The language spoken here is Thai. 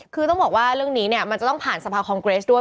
คือต้องบอกว่าเรื่องนี้เนี่ยมันจะต้องผ่านสภาคองเกรสด้วย